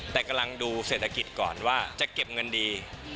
แต่กำลังดูเศรษฐกิจก่อนว่าจะเก็บเงินดี